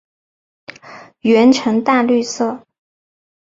喙呈淡绿色。